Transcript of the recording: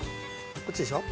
こっちでしょ？